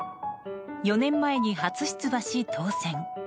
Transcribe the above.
４年前に初出馬し、当選。